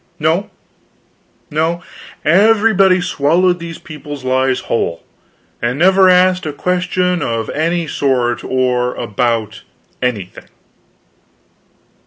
No, everybody swallowed these people's lies whole, and never asked a question of any sort or about anything.